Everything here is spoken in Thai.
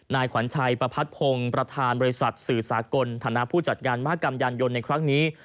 นายขวัญชัยประพัดพงศ์ประธานบริษัทสื่อสากลฐานะผู้จัดงานมหากรรมยานยนต์ในครั้งนี้